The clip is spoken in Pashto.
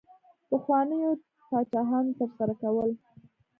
پخوانیو پاچاهانو ترسره کول.